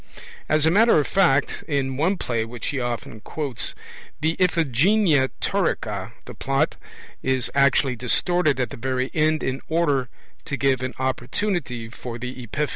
As a matter of fact, in one play which he often quotes, the Iphigenia Taurica, the plot is actually distorted at the very end in order to give an opportunity for the epiphany.